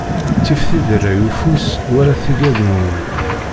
Ttif tiderray ufus, wala tigad n wul.